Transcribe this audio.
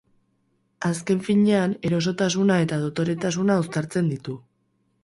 Azken finean, erosotasuna eta dotoretasuna uztartzen ditu.